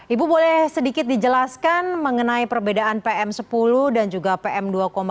ibu boleh sedikit dijelaskan mengenai perbedaan pm sepuluh dan juga pm dua lima